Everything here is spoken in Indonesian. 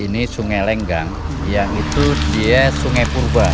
ini sungai lenggang yang itu dia sungai purba